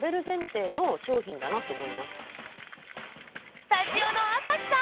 スタジオの朝日さん！